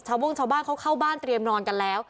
โบ้งชาวบ้านเขาเข้าบ้านเตรียมนอนกันแล้ว